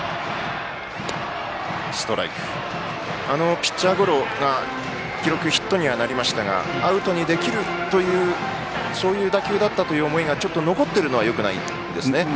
ピッチャーゴロが記録ヒットにはなりましたがアウトにできる打球だったという思いがちょっと残っているのはよくないですね。